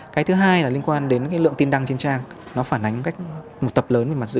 cái thứ hai là liên quan đến cái lượng tin đăng trên trang nó phản ánh cách một tập lớn về mặt dự